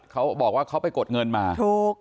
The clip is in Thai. เขาบอกว่าเขาไปกดเงินมาถูก